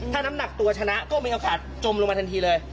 ถ้าน้ำหนักตัวชนะก็มีโอกาสจมลงมาทันทีเลย